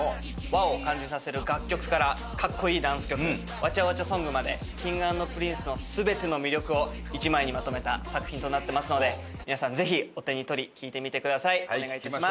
和を感じさせる楽曲からかっこいいダンス曲わちゃわちゃソングまでＫｉｎｇ＆Ｐｒｉｎｃｅの全ての魅力を一枚にまとめた作品となってますので皆さんぜひお手に取り聴いてみてください！